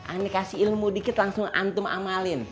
anak dikasih ilmu dikit langsung antum amalin